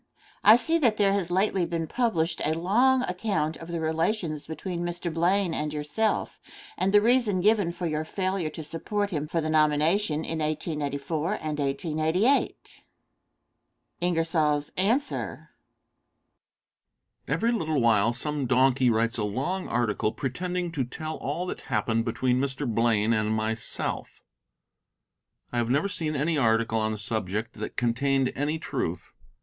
I see that there has lately been published a long account of the relations between Mr. Blaine and yourself, and the reason given for your failure to support him for the nomination in 1884 and 1888? Answer. Every little while some donkey writes a long article pretending to tell all that happened between Mr. Blaine and myself. I have never seen any article on the subject that contained any truth.